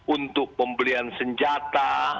untuk pembelian senjata